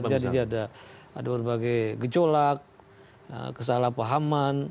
dimana terjadi ada berbagai gecolak kesalahpahaman